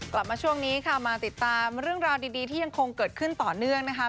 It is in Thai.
กลับมาช่วงนี้ค่ะมาติดตามเรื่องราวดีที่ยังคงเกิดขึ้นต่อเนื่องนะคะ